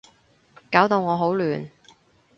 搞到我好亂